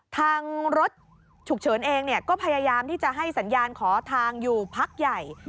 ทางรถฉุกเฉินเองก็พยายามที่จะให้สัญญาณขอทางอยู่พักใหญ่